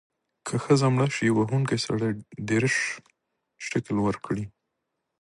که ښځه مړه شي، وهونکی سړی دیرش شِکِل ورکړي.